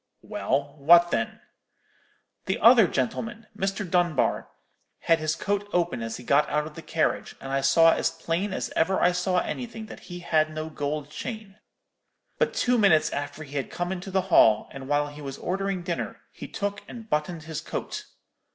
"'Well, what then?' "'The other gentleman, Mr. Dunbar, had his coat open as he got out of the carriage, and I saw as plain as ever I saw anything, that he had no gold chain. But two minutes after he had come into the hall, and while he was ordering dinner, he took and bottoned his coat.